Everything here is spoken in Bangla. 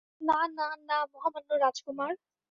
না, না, না, মহামান্য রাজকুমার।